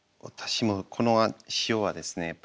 私もこの塩はですね